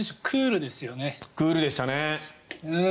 クールですよね。